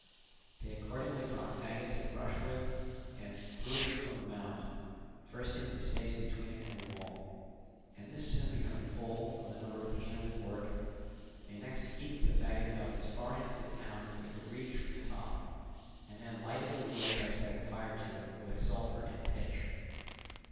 They accordingly brought faggots of brushwood and threw them from the mound, first into the space between it and the wall; and this soon becoming full from the number of hands at work, they next heaped the faggots up as far into the town as they could reach from the top, and then lighted the wood by setting fire to it with sulphur and pitch.